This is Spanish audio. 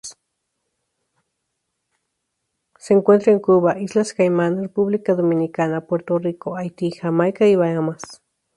Se encuentra en Cuba, islas Caimán, República Dominicana, Puerto Rico, Haití, Jamaica y Bahamas.